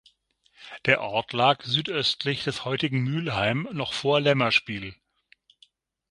Der Ort lag süd-östlich des heutigen Mühlheim noch vor Lämmerspiel.